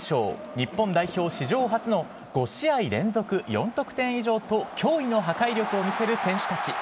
日本代表史上初の５試合連続４得点以上と驚異の破壊力を見せる選手たち。